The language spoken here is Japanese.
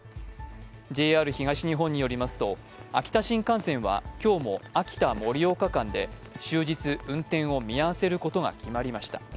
ＪＲ東日本によりますと秋田新幹線は今日も秋田−盛岡間で終日、運転を見合わせることが決まりました。